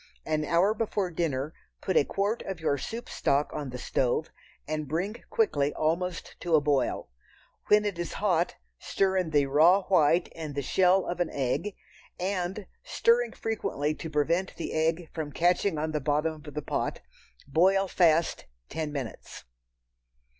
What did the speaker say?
An hour before dinner put a quart of your soup stock on the stove and bring quickly almost to a boil. When it is hot, stir in the raw white and the shell of an egg, and, stirring frequently to prevent the egg from catching on the bottom of the pot, boil fast ten minutes.